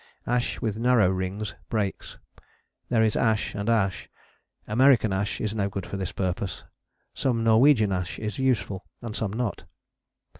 Ash with narrow rings breaks. There is ash and ash: American ash is no good for this purpose; some Norwegian ash is useful, and some not.